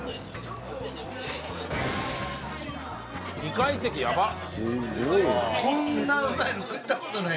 ２階席やばっ！